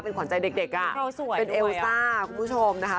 เป็นขวานใจเด็กอ่ะเป็นเอลซ่าคุณผู้ชมนะคะ